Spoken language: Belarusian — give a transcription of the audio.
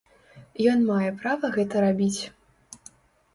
Ён мае права гэта рабіць.